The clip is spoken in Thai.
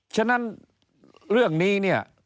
ฉะนั้นเรื่องนี้เนี่ย